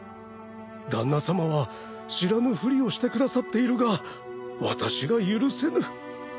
旦那さまは知らぬふりをしてくださっているが私が許せぬ。